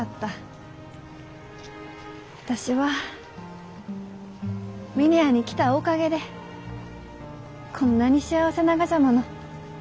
私は峰屋に来たおかげでこんなに幸せながじゃもの。